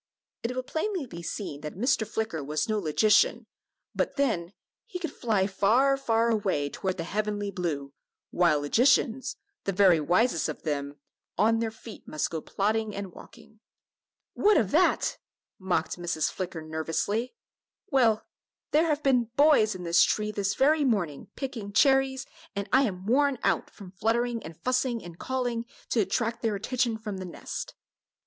It will plainly be seen that Mr. Flicker was no logician, but then, he could fly far, far away toward the heavenly blue, while logicians the very wisest of them "on their feet must go plodding and walking." "What of that!" mocked Mrs. Flicker, nervously. "Well, there have been boys in this tree this very morning, picking cherries, and I am worn out with fluttering and fussing and calling, to attract their attention from the nest."